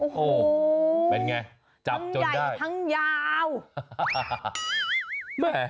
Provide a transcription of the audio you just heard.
โอ้โหเป็นไงจับจนได้ทั้งใหญ่ทั้งยาว